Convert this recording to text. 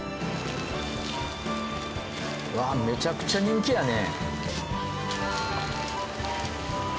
わあめちゃくちゃ人気やね。